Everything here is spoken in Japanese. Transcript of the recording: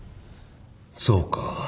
そうか。